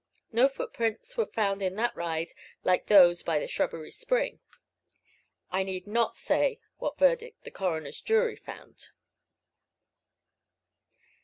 No footprints were found in that ride like those by the shrubbery spring. I need not say what verdict the coroner's jury found.